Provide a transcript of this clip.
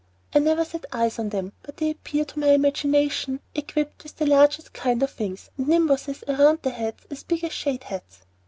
I never set eyes on them, but they appear to my imagination equipped with the largest kind of wings, and nimbuses round their heads as big as shade hats.